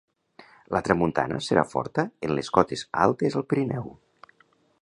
La tramuntana serà forta en les cotes altes al Pirineu.